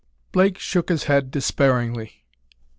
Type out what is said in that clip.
Blake shook his head despairingly.